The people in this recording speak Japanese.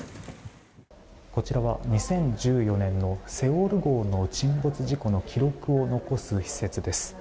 こちらは２０１４年の「セウォル号」の沈没事故の記録を残す施設です。